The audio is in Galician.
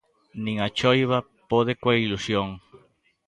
Nin a choiva pode coa ilusión.